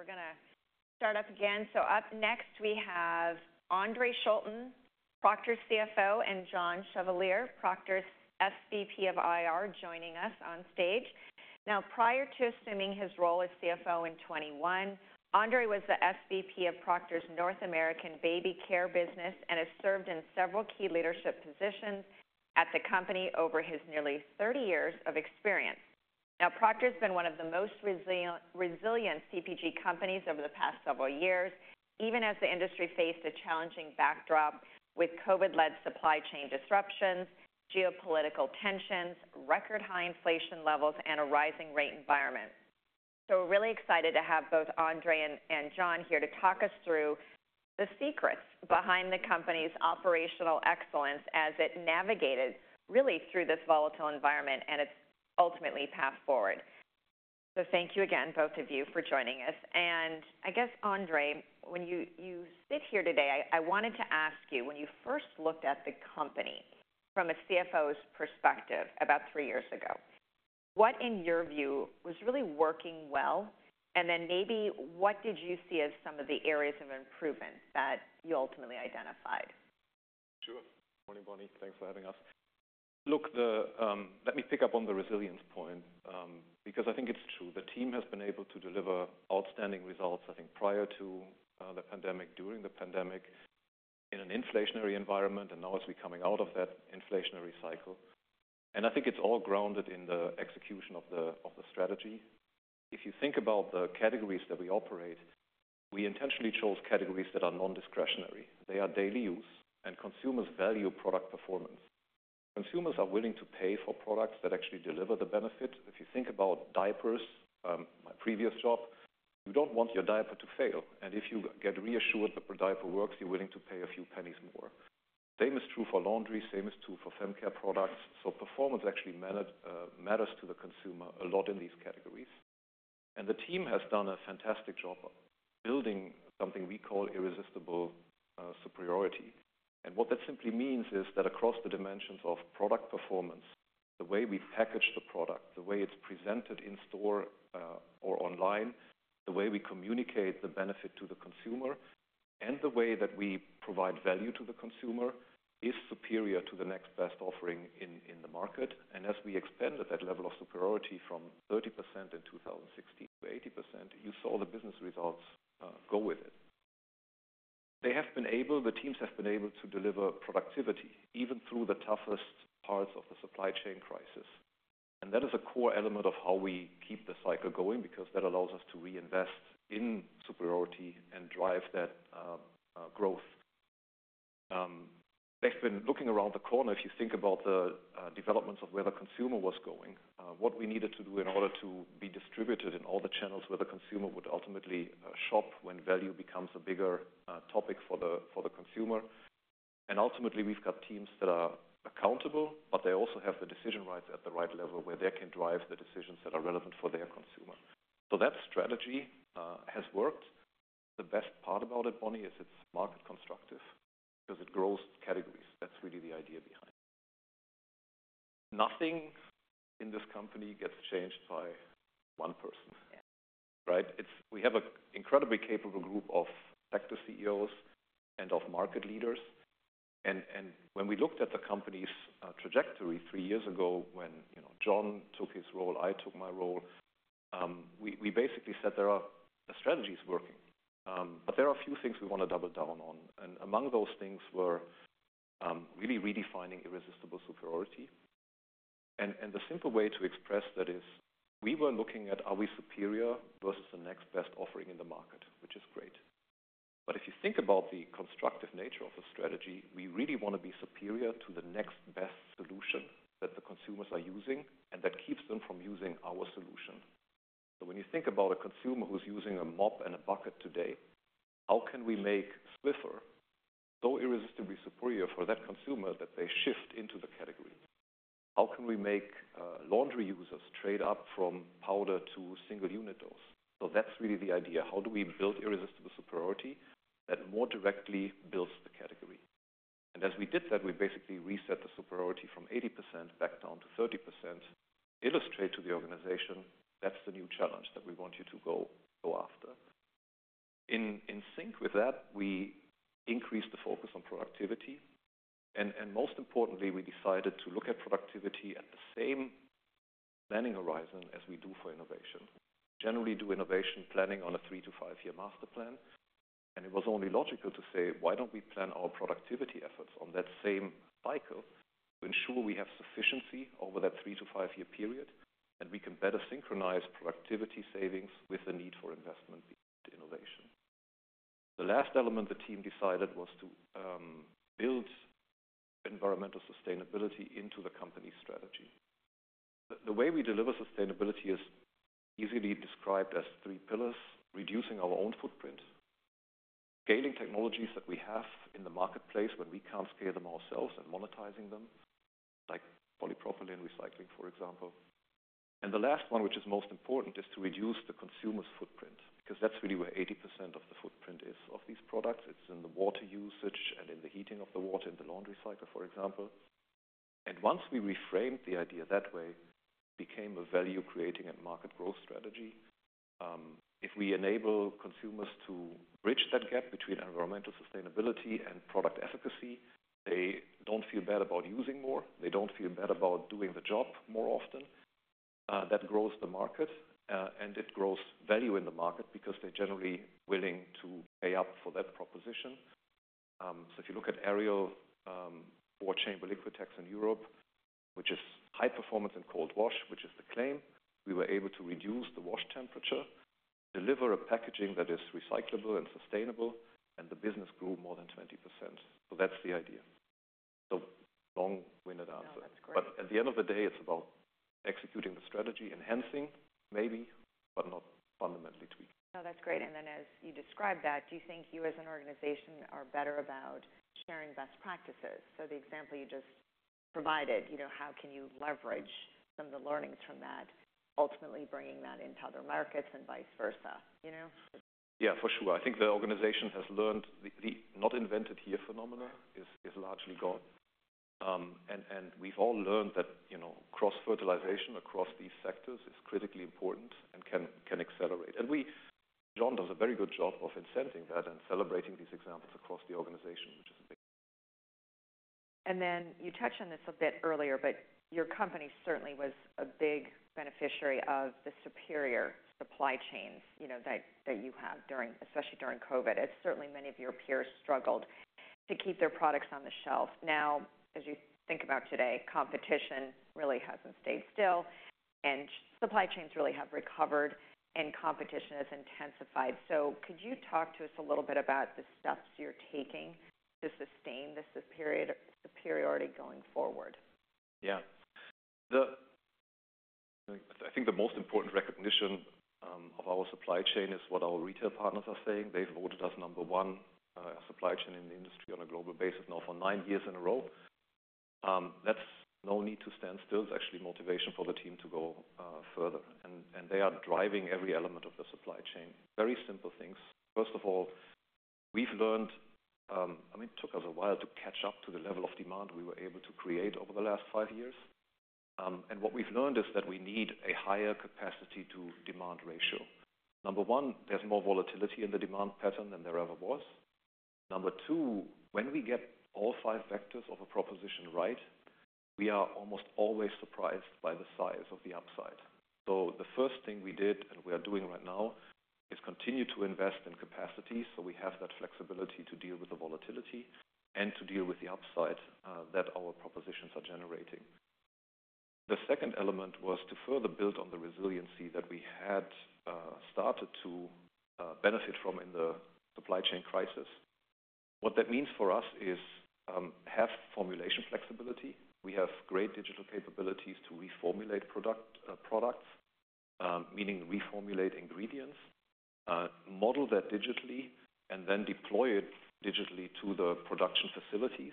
All right, we're gonna start up again. So up next we have Andre Schulten, Procter's CFO, and John Chevalier, Procter's SVP of IR, joining us on stage. Now, prior to assuming his role as CFO in 2021, Andre was the SVP of Procter's North America Baby Care business and has served in several key leadership positions at the company over his nearly 30 years of experience. Now, Procter's has been one of the most resilient CPG companies over the past several years, even as the industry faced a challenging backdrop with COVID-led supply chain disruptions, geopolitical tensions, record high inflation levels, and a rising rate environment. So we're really excited to have both Andre and John here to talk us through the secrets behind the company's operational excellence as it navigated, really, through this volatile environment and its ultimate path forward. Thank you again, both of you, for joining us. I guess, Andre, when you sit here today, I wanted to ask you, when you first looked at the company from a CFO's perspective about three years ago, what, in your view, was really working well, and then maybe what did you see as some of the areas of improvement that you ultimately identified? Sure. Morning, Bonnie. Thanks for having us. Look, let me pick up on the resilience point because I think it's true. The team has been able to deliver outstanding results, I think, prior to the pandemic, during the pandemic, in an inflationary environment, and now as we're coming out of that inflationary cycle. And I think it's all grounded in the execution of the strategy. If you think about the categories that we operate, we intentionally chose categories that are non-discretionary. They are daily use, and consumers value product performance. Consumers are willing to pay for products that actually deliver the benefit. If you think about diapers, my previous job, you don't want your diaper to fail. And if you get reassured that the diaper works, you're willing to pay a few pennies more. Same is true for laundry. Same is true for Fem Care products. So performance actually matters to the consumer a lot in these categories. And the team has done a fantastic job building something we call Irresistible Superiority. And what that simply means is that across the dimensions of product performance, the way we package the product, the way it's presented in store or online, the way we communicate the benefit to the consumer, and the way that we provide value to the consumer is superior to the next best offering in the market. And as we expanded that level of superiority from 30% in 2016 to 80%, you saw the business results go with it. The teams have been able to deliver productivity even through the toughest parts of the supply chain crisis. And that is a core element of how we keep the cycle going because that allows us to reinvest in superiority and drive that growth. They've been looking around the corner. If you think about the developments of where the consumer was going, what we needed to do in order to be distributed in all the channels where the consumer would ultimately shop when value becomes a bigger topic for the consumer. And ultimately, we've got teams that are accountable, but they also have the decision rights at the right level where they can drive the decisions that are relevant for their consumer. So that strategy has worked. The best part about it, Bonnie, is it's market constructive because it grows categories. That's really the idea behind it. Nothing in this company gets changed by one person, right? We have an incredibly capable group of Sector CEOs and of market leaders. And when we looked at the company's trajectory three years ago, when John took his role, I took my role, we basically said there are strategies working, but there are a few things we want to double down on. And among those things were really redefining Irresistible Superiority. And the simple way to express that is we were looking at, are we superior versus the next best offering in the market, which is great. But if you think about the constructive nature of a strategy, we really want to be superior to the next best solution that the consumers are using and that keeps them from using our solution. So when you think about a consumer who's using a mop and a bucket today, how can we make Swiffer so irresistibly superior for that consumer that they shift into the category? How can we make laundry users trade up from powder to single unit dose? So that's really the idea. How do we build Irresistible Superiority that more directly builds the category? And as we did that, we basically reset the superiority from 80% back down to 30%, illustrate to the organization, that's the new challenge that we want you to go after. In sync with that, we increased the focus on productivity. And most importantly, we decided to look at productivity at the same planning horizon as we do for innovation. We generally do innovation planning on a three to five-year master plan. It was only logical to say, why don't we plan our productivity efforts on that same cycle to ensure we have sufficiency over that three- to five-year period, and we can better synchronize productivity savings with the need for investment in innovation? The last element the team decided was to build environmental sustainability into the company's strategy. The way we deliver sustainability is easily described as three pillars: reducing our own footprint, scaling technologies that we have in the marketplace when we can't scale them ourselves, and monetizing them, like polypropylene recycling, for example. The last one, which is most important, is to reduce the consumer's footprint because that's really where 80% of the footprint is of these products. It's in the water usage and in the heating of the water in the laundry cycle, for example. Once we reframed the idea that way, it became a value-creating and market-growth strategy. If we enable consumers to bridge that gap between environmental sustainability and product efficacy, they don't feel bad about using more. They don't feel bad about doing the job more often. That grows the market, and it grows value in the market because they're generally willing to pay up for that proposition. So if you look at Ariel for cold water liquid pacs in Europe, which is high performance in cold wash, which is the claim, we were able to reduce the wash temperature, deliver a packaging that is recyclable and sustainable, and the business grew more than 20%. So that's the idea. So long-winded answer. At the end of the day, it's about executing the strategy, enhancing maybe, but not fundamentally tweaking. No, that's great. Then as you describe that, do you think you as an organization are better about sharing best practices? The example you just provided, how can you leverage some of the learnings from that, ultimately bringing that into other markets and vice versa? Yeah, for sure. I think the organization has learned the not-invented-here phenomenon is largely gone. And we've all learned that cross-fertilization across these sectors is critically important and can accelerate. And John does a very good job of incenting that and celebrating these examples across the organization, which is a big thing. Then you touched on this a bit earlier, but your company certainly was a big beneficiary of the superior supply chains that you have, especially during COVID. Certainly, many of your peers struggled to keep their products on the shelf. Now, as you think about today, competition really hasn't stayed still, and supply chains really have recovered, and competition has intensified. Could you talk to us a little bit about the steps you're taking to sustain this superiority going forward? Yeah. I think the most important recognition of our supply chain is what our retail partners are saying. They've voted us number one supply chain in the industry on a global basis now for nine years in a row. That's no need to stand still. It's actually motivation for the team to go further. And they are driving every element of the supply chain, very simple things. First of all, we've learned, I mean, it took us a while to catch up to the level of demand we were able to create over the last five years. And what we've learned is that we need a higher capacity-to-demand ratio. Number one, there's more volatility in the demand pattern than there ever was. Number two, when we get all 5 vectors of a proposition right, we are almost always surprised by the size of the upside. So the first thing we did, and we are doing right now, is continue to invest in capacity so we have that flexibility to deal with the volatility and to deal with the upside that our propositions are generating. The second element was to further build on the resiliency that we had started to benefit from in the supply chain crisis. What that means for us is have formulation flexibility. We have great digital capabilities to reformulate products, meaning reformulate ingredients, model that digitally, and then deploy it digitally to the production facilities,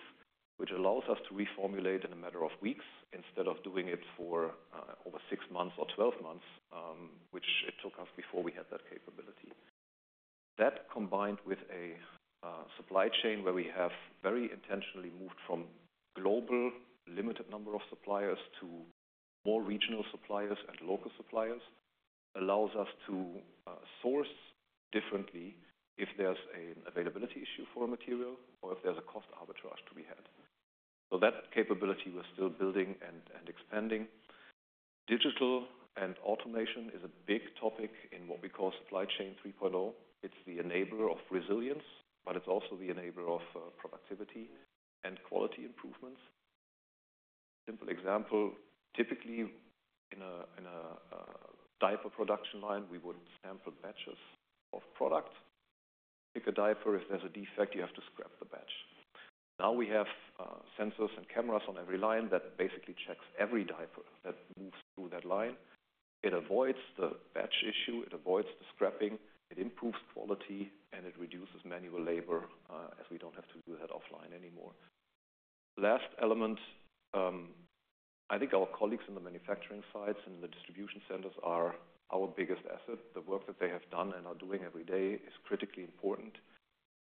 which allows us to reformulate in a matter of weeks instead of doing it for over six months or 12 months, which it took us before we had that capability. That, combined with a supply chain where we have very intentionally moved from global, limited number of suppliers to more regional suppliers and local suppliers, allows us to source differently if there's an availability issue for a material or if there's a cost arbitrage to be had. So that capability we're still building and expanding. Digital and automation is a big topic in what we call Supply Chain 3.0. It's the enabler of resilience, but it's also the enabler of productivity and quality improvements. Simple example, typically in a diaper production line, we would sample batches of products. Pick a diaper. If there's a defect, you have to scrap the batch. Now we have sensors and cameras on every line that basically checks every diaper that moves through that line. It avoids the batch issue. It avoids the scrapping. It improves quality, and it reduces manual labor as we don't have to do that offline anymore. Last element, I think our colleagues in the manufacturing sites and in the distribution centers are our biggest asset. The work that they have done and are doing every day is critically important.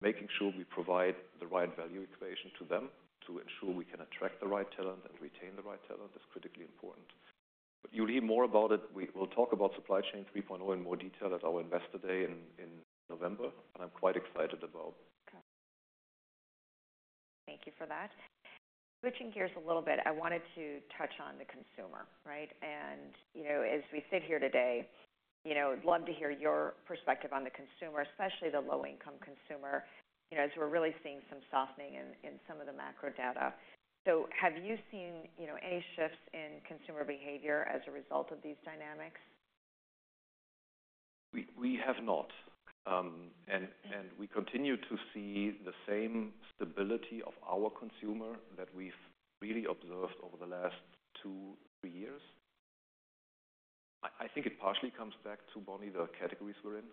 Making sure we provide the right value equation to them to ensure we can attract the right talent and retain the right talent is critically important. But you'll hear more about it. We will talk about Supply Chain 3.0 in more detail at our investor day in November. I'm quite excited about. Thank you for that. Switching gears a little bit, I wanted to touch on the consumer, right? And as we sit here today, love to hear your perspective on the consumer, especially the low-income consumer, as we're really seeing some softening in some of the macro data. So have you seen any shifts in consumer behavior as a result of these dynamics? We have not. We continue to see the same stability of our consumer that we've really observed over the last two, three years. I think it partially comes back to, Bonnie, the categories we're in.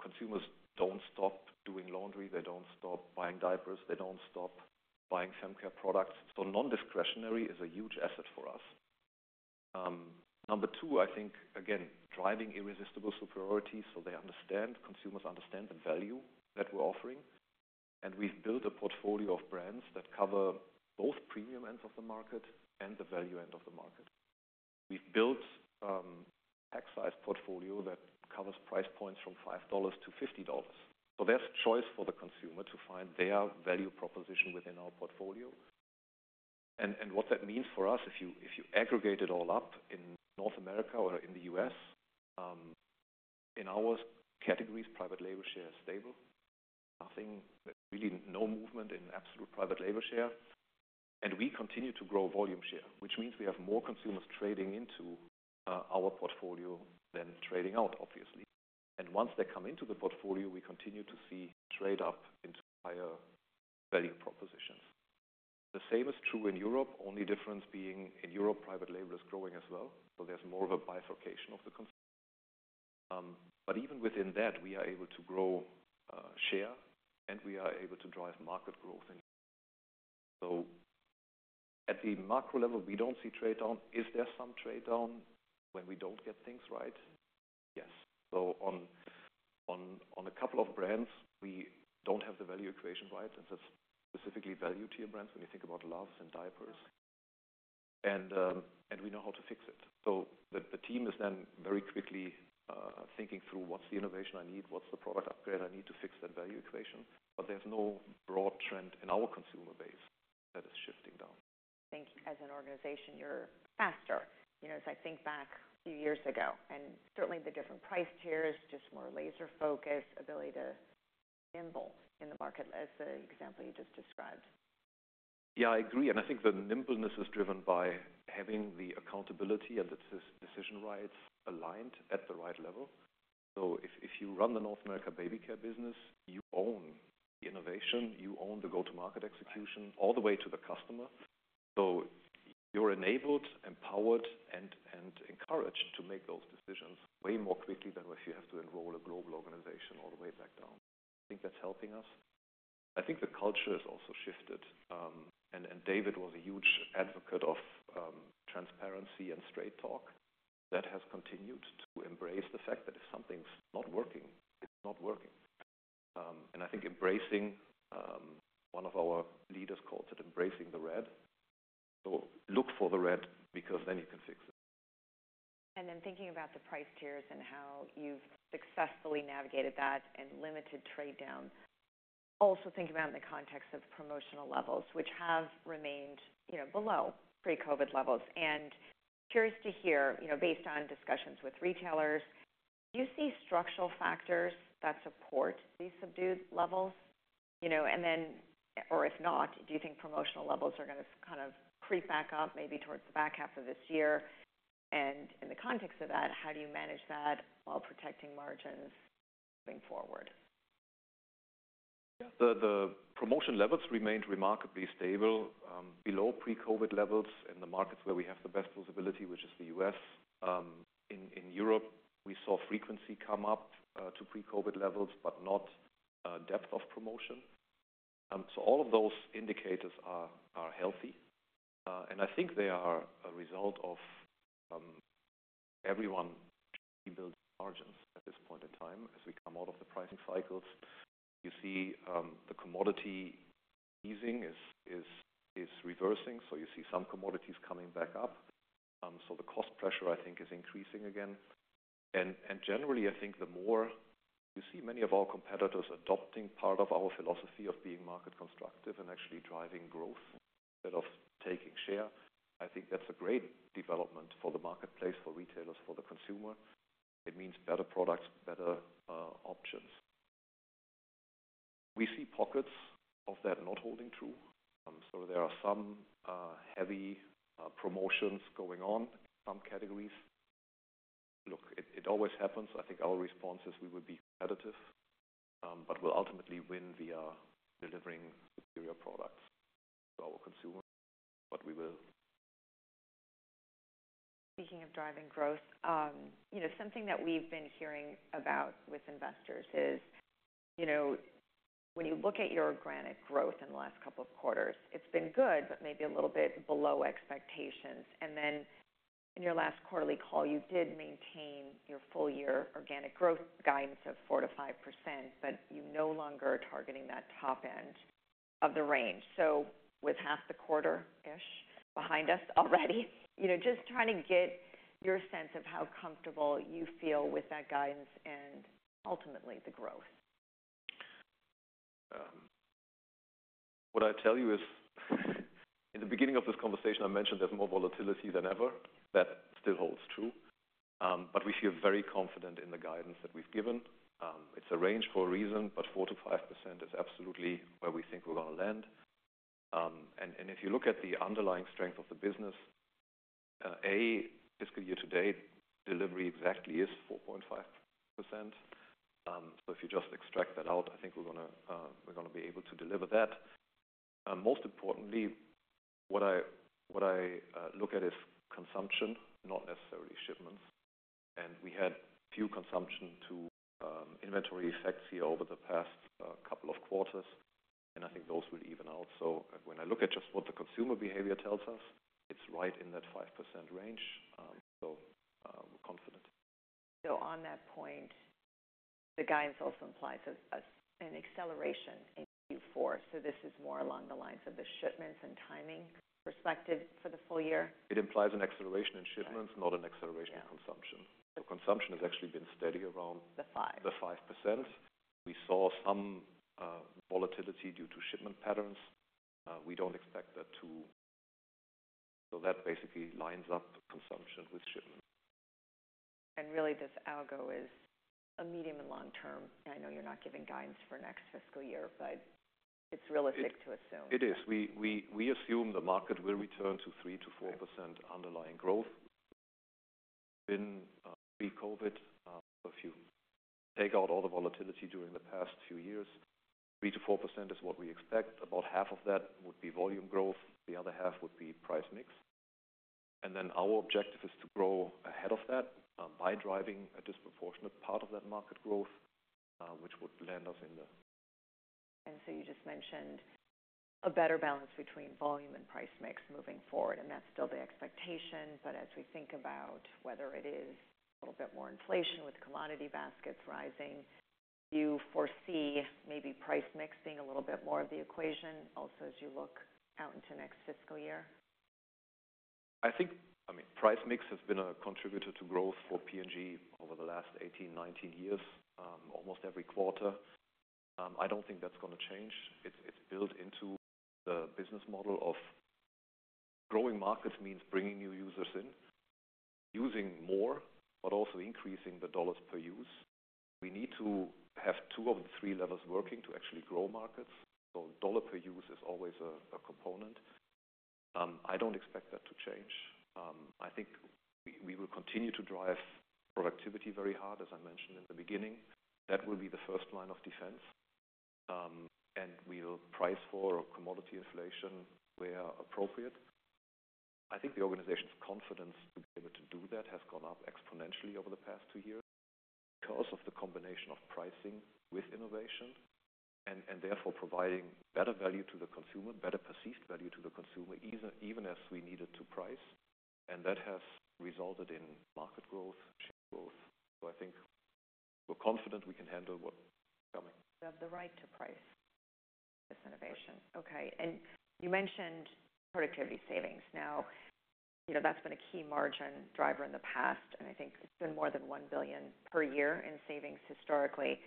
Consumers don't stop doing laundry. They don't stop buying diapers. They don't stop buying fem care products. So non-discretionary is a huge asset for us. Number two, I think, again, driving Irresistible Superiority so they understand, consumers understand, the value that we're offering. And we've built a portfolio of brands that cover both premium ends of the market and the value end of the market. We've built a pack-sized portfolio that covers price points from $5-$50. So there's choice for the consumer to find their value proposition within our portfolio. What that means for us, if you aggregate it all up in North America or in the U.S., in our categories, private label share is stable. Nothing really, no movement in absolute private label share. And we continue to grow volume share, which means we have more consumers trading into our portfolio than trading out, obviously. And once they come into the portfolio, we continue to see trade-up into higher value propositions. The same is true in Europe, only difference being in Europe, private label is growing as well. So there's more of a bifurcation of the consumer. But even within that, we are able to grow share, and we are able to drive market growth in Europe. So at the macro level, we don't see trade-down. Is there some trade-down when we don't get things right? Yes. So on a couple of brands, we don't have the value equation right. And that's specifically value-tier brands when you think about Luvs and diapers. And we know how to fix it. So the team is then very quickly thinking through, what's the innovation I need? What's the product upgrade I need to fix that value equation? But there's no broad trend in our consumer base that is shifting down. Think as an organization, you're faster. As I think back a few years ago, and certainly the different price tiers, just more laser-focused, ability to nimble in the market as the example you just described. Yeah, I agree. And I think the nimbleness is driven by having the accountability and the decision rights aligned at the right level. So if you run the North America baby care business, you own the innovation. You own the go-to-market execution all the way to the customer. So you're enabled, empowered, and encouraged to make those decisions way more quickly than if you have to enroll a global organization all the way back down. I think that's helping us. I think the culture has also shifted. And David was a huge advocate of transparency and straight talk. That has continued to embrace the fact that if something's not working, it's not working. And I think embracing one of our leaders calls it embracing the red. So look for the red because then you can fix it. And then thinking about the price tiers and how you've successfully navigated that and limited trade-down, also think about in the context of promotional levels, which have remained below pre-COVID levels. And curious to hear, based on discussions with retailers, do you see structural factors that support these subdued levels? And then, or if not, do you think promotional levels are going to kind of creep back up maybe towards the back half of this year? And in the context of that, how do you manage that while protecting margins moving forward? Yeah. The promotion levels remained remarkably stable below pre-COVID levels in the markets where we have the best visibility, which is the U.S. In Europe, we saw frequency come up to pre-COVID levels, but not depth of promotion. So all of those indicators are healthy. And I think they are a result of everyone should be building margins at this point in time as we come out of the pricing cycles. You see the commodity easing is reversing. So you see some commodities coming back up. So the cost pressure, I think, is increasing again. And generally, I think the more you see many of our competitors adopting part of our philosophy of being market constructive and actually driving growth instead of taking share, I think that's a great development for the marketplace, for retailers, for the consumer. It means better products, better options. We see pockets of that not holding true. There are some heavy promotions going on in some categories. Look, it always happens. I think our response is we will be competitive, but we'll ultimately win via delivering superior products to our consumers. We will. Speaking of driving growth, something that we've been hearing about with investors is when you look at your organic growth in the last couple of quarters, it's been good, but maybe a little bit below expectations. Then in your last quarterly call, you did maintain your full-year organic growth guidance of 4%-5%, but you no longer are targeting that top end of the range. With half the quarter-ish behind us already, just trying to get your sense of how comfortable you feel with that guidance and ultimately the growth. What I tell you is in the beginning of this conversation, I mentioned there's more volatility than ever. That still holds true. But we feel very confident in the guidance that we've given. It's arranged for a reason, but 4%-5% is absolutely where we think we're going to land. And if you look at the underlying strength of the business, A, fiscal year to date, delivery exactly is 4.5%. So if you just extract that out, I think we're going to be able to deliver that. Most importantly, what I look at is consumption, not necessarily shipments. And we had few consumption-to-inventory effects here over the past couple of quarters. And I think those will even out. So when I look at just what the consumer behavior tells us, it's right in that 5% range. So we're confident. So on that point, the guidance also implies an acceleration in Q4. So this is more along the lines of the shipments and timing perspective for the full year? It implies an acceleration in shipments, not an acceleration in consumption. So consumption has actually been steady around the 5%. We saw some volatility due to shipment patterns. We don't expect that, so that basically lines up consumption with shipment. Really, this algo is a medium and long-term. I know you're not giving guidance for next fiscal year, but it's realistic to assume. It is. We assume the market will return to 3%-4% underlying growth. We've been pre-COVID, take out all the volatility during the past few years. 3%-4% is what we expect. About half of that would be volume growth. The other half would be price mix. And then our objective is to grow ahead of that by driving a disproportionate part of that market growth, which would land us in... You just mentioned a better balance between volume and price mix moving forward. That's still the expectation. As we think about whether it is a little bit more inflation with commodity baskets rising, do you foresee maybe price mix being a little bit more of the equation also as you look out into next fiscal year? I mean, price mix has been a contributor to growth for P&G over the last 18-19 years, almost every quarter. I don't think that's going to change. It's built into the business model of growing markets means bringing new users in, using more, but also increasing the dollars per use. We need to have two of the three levels working to actually grow markets. So dollar per use is always a component. I don't expect that to change. I think we will continue to drive productivity very hard, as I mentioned in the beginning. That will be the first line of defense. And we will price for commodity inflation where appropriate. I think the organization's confidence to be able to do that has gone up exponentially over the past two years because of the combination of pricing with innovation and therefore providing better value to the consumer, better perceived value to the consumer, even as we needed to price. That has resulted in market growth, share growth. I think we're confident we can handle what's coming. You have the right to price this innovation. Okay. You mentioned productivity savings. Now, that's been a key margin driver in the past. I think it's been more than $1 billion per year in savings historically.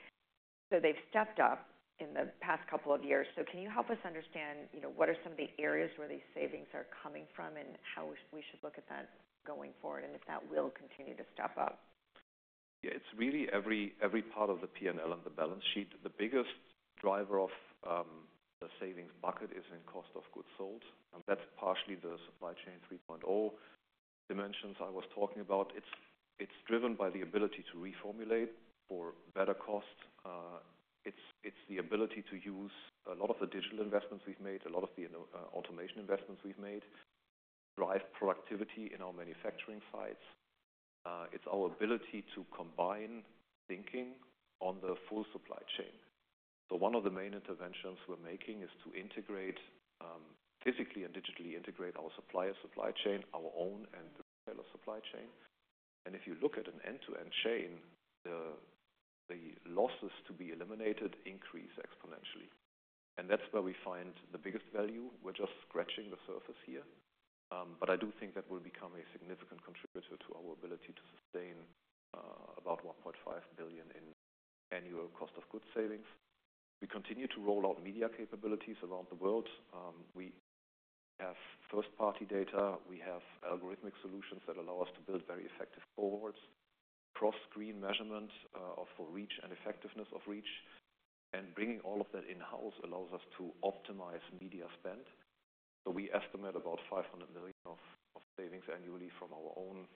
They've stepped up in the past couple of years. Can you help us understand what are some of the areas where these savings are coming from and how we should look at that going forward and if that will continue to step up? Yeah. It's really every part of the P&L and the balance sheet. The biggest driver of the savings bucket is in cost of goods sold. That's partially the Supply Chain 3.0 dimensions I was talking about. It's driven by the ability to reformulate for better cost. It's the ability to use a lot of the digital investments we've made, a lot of the automation investments we've made, drive productivity in our manufacturing sites. It's our ability to combine thinking on the full supply chain. So one of the main interventions we're making is to physically and digitally integrate our supplier supply chain, our own, and the retailer supply chain. And if you look at an end-to-end chain, the losses to be eliminated increase exponentially. And that's where we find the biggest value. We're just scratching the surface here. But I do think that will become a significant contributor to our ability to sustain about $1.5 billion in annual cost of goods savings. We continue to roll out media capabilities around the world. We have first-party data. We have algorithmic solutions that allow us to build very effective forwards, cross-screen measurement for reach and effectiveness of reach. And bringing all of that in-house allows us to optimize media spend. So we estimate about $500 million of savings annually from our own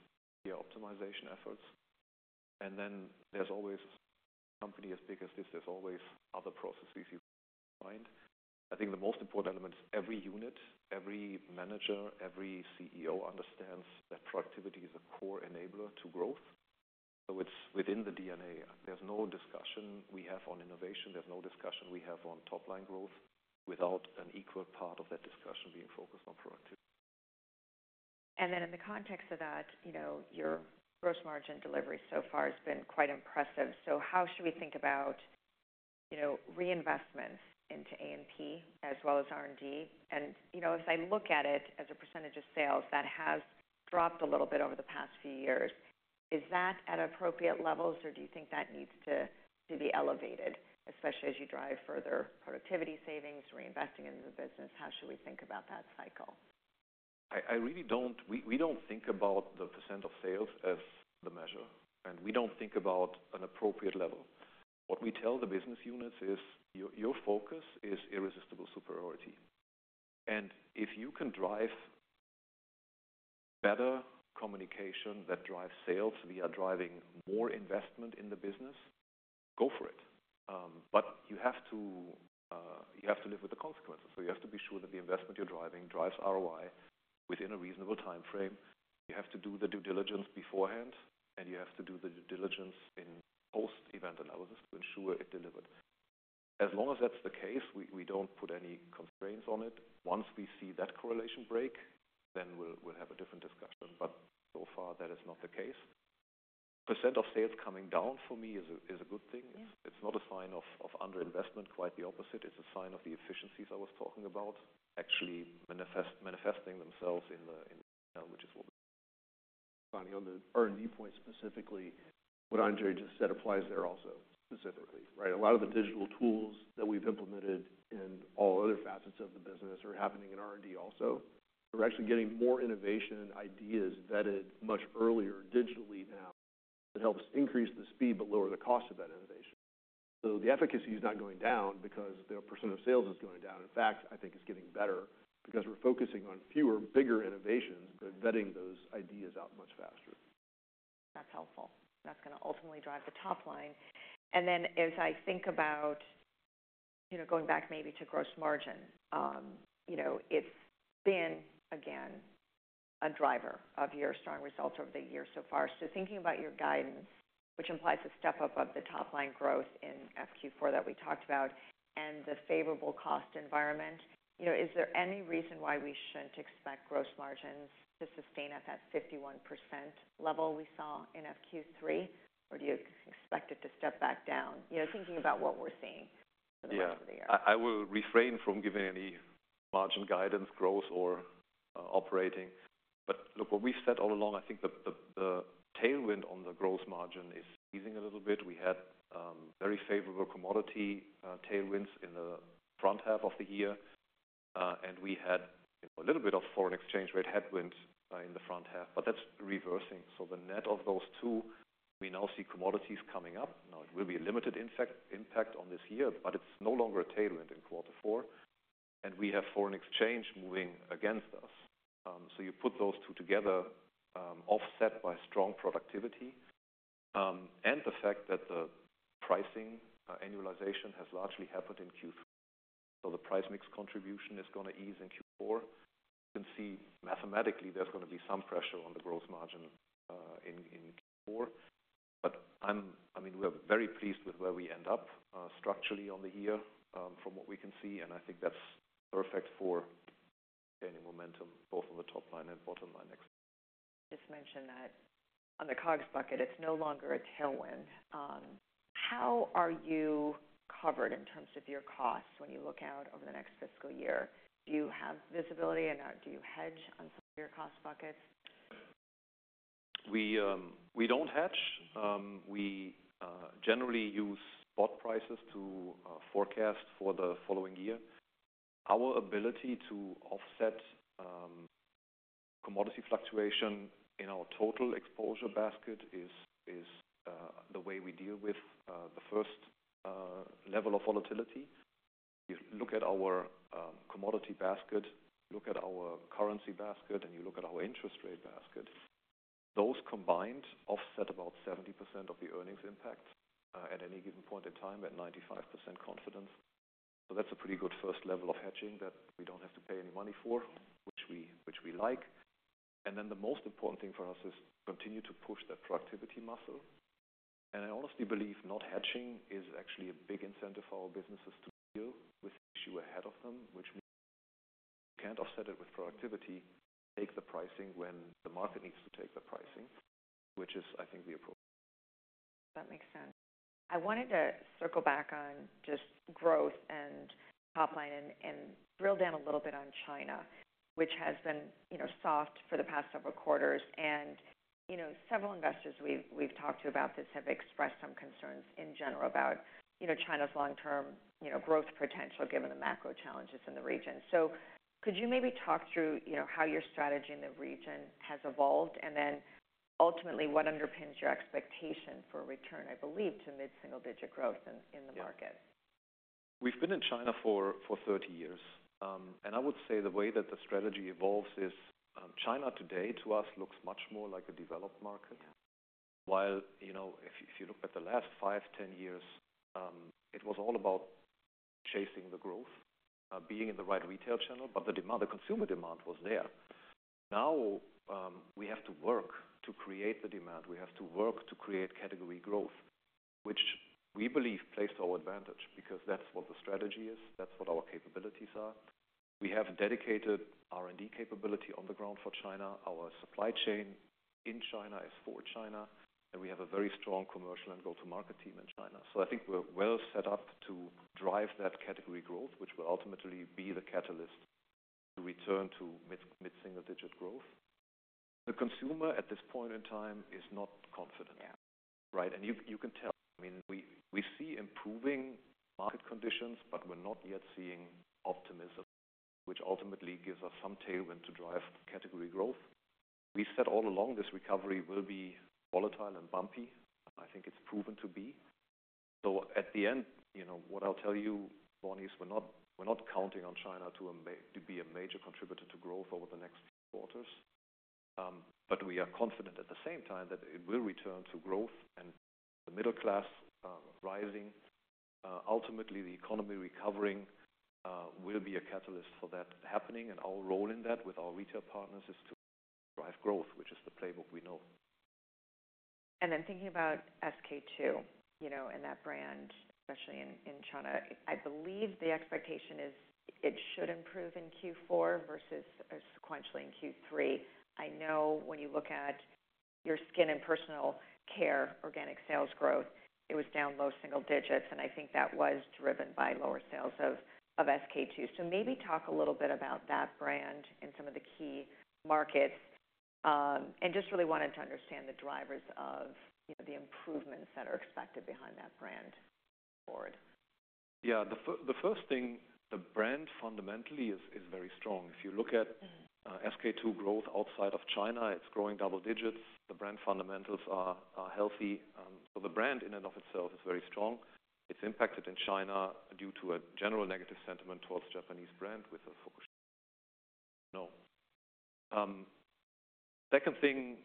media optimization efforts. And then there's always a company as big as this. There's always other processes you find. I think the most important element is every unit, every manager, every CEO understands that productivity is a core enabler to growth. So it's within the DNA. There's no discussion we have on innovation. There's no discussion we have on top-line growth without an equal part of that discussion being focused on productivity. And then in the context of that, your gross margin delivery so far has been quite impressive. So how should we think about reinvestments into A&P as well as R&D? And as I look at it as a percentage of sales, that has dropped a little bit over the past few years. Is that at appropriate levels, or do you think that needs to be elevated, especially as you drive further productivity savings, reinvesting into the business? How should we think about that cycle? We don't think about the percent of sales as the measure. We don't think about an appropriate level. What we tell the business units is your focus is Irresistible Superiority. If you can drive better communication that drives sales via driving more investment in the business, go for it. You have to live with the consequences. You have to be sure that the investment you're driving drives ROI within a reasonable time frame. You have to do the due diligence beforehand, and you have to do the due diligence in post-event analysis to ensure it delivered. As long as that's the case, we don't put any constraints on it. Once we see that correlation break, then we'll have a different discussion. So far, that is not the case. percent of sales coming down for me is a good thing. It's not a sign of underinvestment, quite the opposite. It's a sign of the efficiencies I was talking about actually manifesting themselves in the P&L, which is what we're looking at. Finally, on the R&D point specifically, what Andre just said applies there also specifically, right? A lot of the digital tools that we've implemented in all other facets of the business are happening in R&D also. We're actually getting more innovation ideas vetted much earlier digitally now that helps increase the speed but lower the cost of that innovation. So the efficacy is not going down because the percent of sales is going down. In fact, I think it's getting better because we're focusing on fewer, bigger innovations, but vetting those ideas out much faster. That's helpful. That's going to ultimately drive the top line. And then as I think about going back maybe to gross margin, it's been, again, a driver of your strong results over the year so far. So thinking about your guidance, which implies a step up of the top-line growth in FQ4 that we talked about and the favorable cost environment, is there any reason why we shouldn't expect gross margins to sustain at that 51% level we saw in FQ3, or do you expect it to step back down, thinking about what we're seeing for the rest of the year? Yeah. I will refrain from giving any margin guidance, growth, or operating. But look, what we've said all along, I think the tailwind on the gross margin is easing a little bit. We had very favorable commodity tailwinds in the front half of the year. And we had a little bit of foreign exchange rate headwinds in the front half. But that's reversing. So the net of those two, we now see commodities coming up. Now, it will be a limited impact on this year, but it's no longer a tailwind in quarter four. And we have foreign exchange moving against us. So you put those two together, offset by strong productivity and the fact that the pricing annualization has largely happened in Q3. So the price mix contribution is going to ease in Q4. You can see mathematically, there's going to be some pressure on the gross margin in Q4. I mean, we're very pleased with where we end up structurally on the year from what we can see. I think that's perfect for maintaining momentum both on the top line and bottom line next year. You just mentioned that on the COGS bucket, it's no longer a tailwind. How are you covered in terms of your costs when you look out over the next fiscal year? Do you have visibility, and do you hedge on some of your cost buckets? We don't hedge. We generally use spot prices to forecast for the following year. Our ability to offset commodity fluctuation in our total exposure basket is the way we deal with the first level of volatility. You look at our commodity basket, you look at our currency basket, and you look at our interest rate basket. Those combined offset about 70% of the earnings impact at any given point in time at 95% confidence. So that's a pretty good first level of hedging that we don't have to pay any money for, which we like. And then the most important thing for us is to continue to push that productivity muscle. I honestly believe not hedging is actually a big incentive for our businesses to deal with the issue ahead of them, which means you can't offset it with productivity, take the pricing when the market needs to take the pricing, which is, I think, the approach. That makes sense. I wanted to circle back on just growth and top line and drill down a little bit on China, which has been soft for the past several quarters. Several investors we've talked to about this have expressed some concerns in general about China's long-term growth potential given the macro challenges in the region. So could you maybe talk through how your strategy in the region has evolved and then ultimately what underpins your expectation for return, I believe, to mid-single-digit growth in the market? Yeah. We've been in China for 30 years. I would say the way that the strategy evolves is China today, to us, looks much more like a developed market. While if you look at the last five, 10 years, it was all about chasing the growth, being in the right retail channel, but the consumer demand was there. Now, we have to work to create the demand. We have to work to create category growth, which we believe plays to our advantage because that's what the strategy is. That's what our capabilities are. We have dedicated R&D capability on the ground for China. Our supply chain in China is for China. We have a very strong commercial and go-to-market team in China. I think we're well set up to drive that category growth, which will ultimately be the catalyst to return to mid-single-digit growth. The consumer at this point in time is not confident, right? And you can tell. I mean, we see improving market conditions, but we're not yet seeing optimism, which ultimately gives us some tailwind to drive category growth. We said all along this recovery will be volatile and bumpy. I think it's proven to be. So at the end, what I'll tell you, Bonnie, we're not counting on China to be a major contributor to growth over the next few quarters. But we are confident at the same time that it will return to growth and the middle class rising. Ultimately, the economy recovering will be a catalyst for that happening. And our role in that with our retail partners is to drive growth, which is the playbook we know. And then, thinking about SK-II and that brand, especially in China, I believe the expectation is it should improve in Q4 versus sequentially in Q3. I know when you look at your skin and personal care organic sales growth, it was down low single digits. And I think that was driven by lower sales of SK-II. So maybe talk a little bit about that brand and some of the key markets. And just really wanted to understand the drivers of the improvements that are expected behind that brand going forward. Yeah. The first thing, the brand fundamentally is very strong. If you look at SK-II growth outside of China, it's growing double digits. The brand fundamentals are healthy. So the brand in and of itself is very strong. It's impacted in China due to a general negative sentiment towards Japanese brand with a focus on. No. Second thing,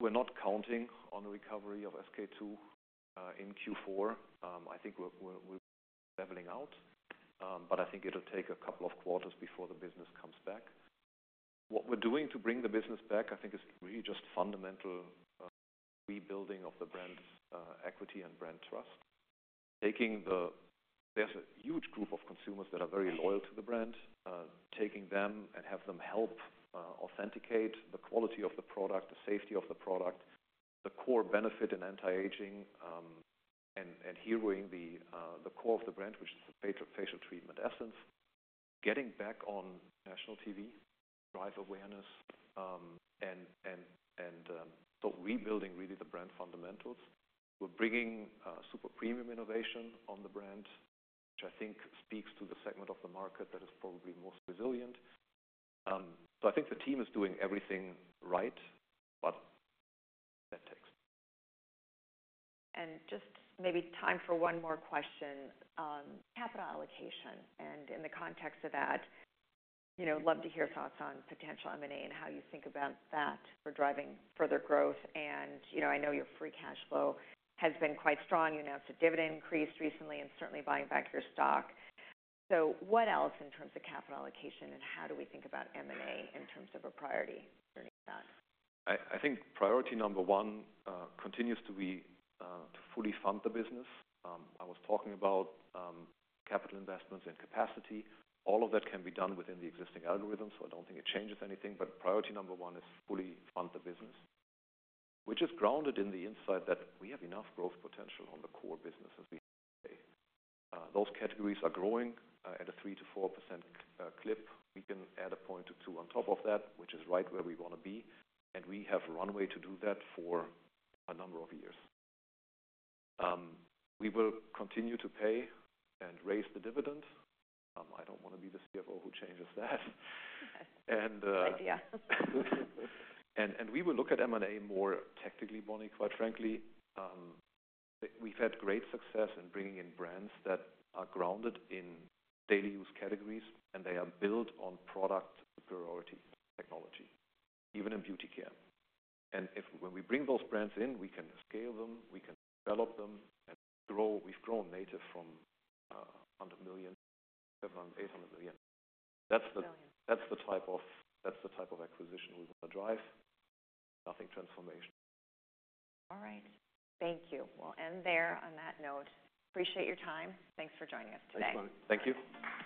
we're not counting on a recovery of SK-II in Q4. I think we're leveling out. But I think it'll take a couple of quarters before the business comes back. What we're doing to bring the business back, I think, is really just fundamental rebuilding of the brand's equity and brand trust, taking. There's a huge group of consumers that are very loyal to the brand, taking them and have them help authenticate the quality of the product, the safety of the product, the core benefit in anti-aging, and heroing the core of the brand, which is the Facial Treatment Essence, getting back on national TV, drive awareness, and so rebuilding really the brand fundamentals. We're bringing super premium innovation on the brand, which I think speaks to the segment of the market that is probably most resilient. So I think the team is doing everything right, but that takes. And just maybe time for one more question. Capital allocation. And in the context of that, love to hear thoughts on potential M&A and how you think about that for driving further growth. And I know your free cash flow has been quite strong. You announced a dividend increase recently and certainly buying back your stock. So what else in terms of capital allocation, and how do we think about M&A in terms of a priority journey with that? I think priority number one continues to be to fully fund the business. I was talking about capital investments and capacity. All of that can be done within the existing algorithms. So I don't think it changes anything. But priority number one is fully fund the business, which is grounded in the insight that we have enough growth potential on the core business as we have today. Those categories are growing at a 3%-4% clip. We can add 1-2 on top of that, which is right where we want to be. We have runway to do that for a number of years. We will continue to pay and raise the dividend. I don't want to be the CFO who changes that. Good idea. We will look at M&A more tactically, Bonnie, quite frankly. We've had great success in bringing in brands that are grounded in daily use categories, and they are built on product superiority technology, even in beauty care. When we bring those brands in, we can scale them. We can develop them. We've grown Native from $100 million, $700, $800 million. That's the type of acquisition we want to drive, nothing transformational. All right. Thank you. We'll end there on that note. Appreciate your time. Thanks for joining us today. Thanks, Bonnie. Thank you.